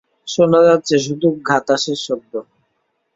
শোনা যাচ্ছে শুধু ঘাতাসের শব্দ।